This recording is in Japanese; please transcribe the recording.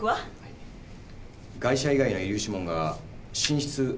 ガイ者以外の遺留指紋が寝室トイレ